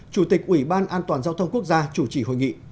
chủ tịch ủy ban an toàn giao thông quốc gia chủ trì hội nghị